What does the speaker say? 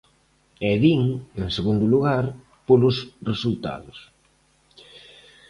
E din, en segundo lugar, polos resultados.